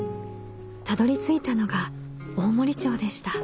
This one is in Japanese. たどりついたのが大森町でした。